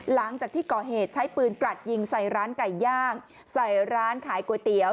หลังจากที่ก่อเหตุใช้ปืนกรัดยิงใส่ร้านไก่ย่างใส่ร้านขายก๋วยเตี๋ยว